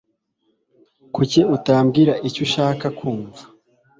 Kuki utambwira icyo ushaka kumva?